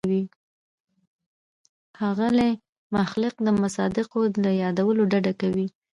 ښاغلی محق د مصادقو له یادولو ډډه کوي.